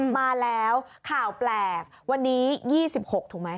มาแล้วข่าวแปลกวันนี้ยี่สิบหกถูกไหม